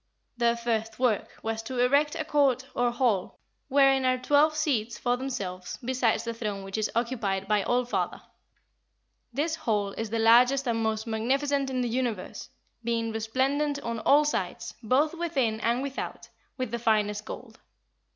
Their first work was to erect a court or hall wherein are twelve seats for themselves, besides the throne which is occupied by All father. This hall is the largest and most magnificent in the universe, being resplendent on all sides, both within and without, with the finest gold.